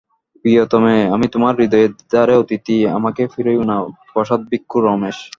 প্রিয়তমে, আমি তোমার হৃদয়ের দ্বারে অতিথি, আমাকে ফিরাইয়ো না–প্রসাদভিক্ষু রমেশ।